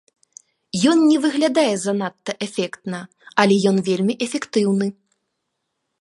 Ён не выглядае занадта эфектна, але ён вельмі эфектыўны.